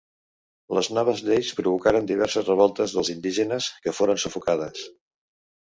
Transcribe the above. Les noves lleis provocaren diverses revoltes dels indígenes, que foren sufocades.